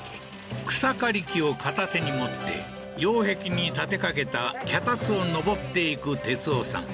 草刈り機を片手に持って擁壁に立てかけた脚立を登っていく哲男さん